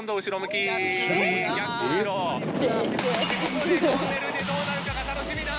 ・ここでトンネルでどうなるか楽しみだ。